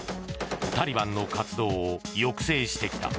タリバンの活動を抑制してきた。